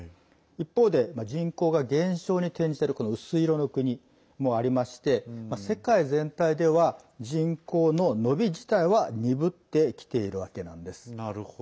一方で、人口が減少に転じている薄い色の国もありまして世界全体では人口の伸び自体は鈍ってきているわけなんです。